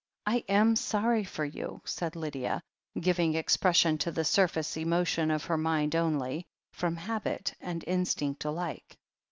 I am sorry for you," said Lydia, giving expression to the surface emotion of her mind only, from habit and instinct alike.